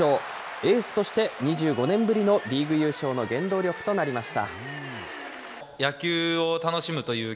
エースとして２５年ぶりのリーグ優勝の原動力となりました。